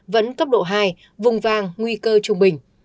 vẫn cấp độ hai vùng vàng nguy cơ trung bình